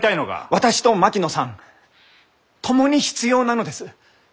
私と槙野さん共に必要なのです。